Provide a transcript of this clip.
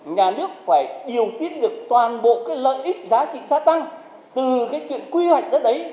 nhà nước phải điều tiết được toàn bộ lợi ích giá trị xác tăng từ chuyện quy hoạch đất ấy